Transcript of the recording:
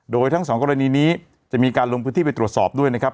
โดยทั้งสองกรณีนี้จะมีการลงพื้นที่ไปตรวจสอบด้วยนะครับ